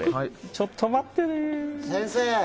ちょっと待ってね。